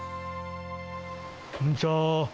こんにちは。